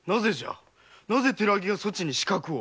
なぜ寺脇がそちに刺客を？